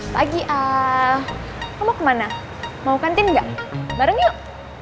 pagi ah kamu mau kemana mau kantin gak bareng yuk